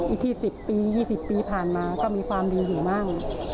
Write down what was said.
อีกที่๑๐ปี๒๐ปีผ่านมาก็มีความดีอยู่บ้าง